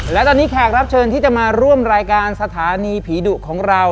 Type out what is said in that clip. และตอนนี้แขกรับเชิญที่จะมาร่วมรายการสถานีผีดุของเรา